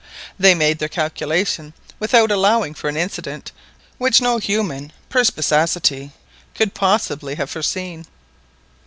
They made their calculation without allowing for an incident which no human perspicacity could possibly have foreseen.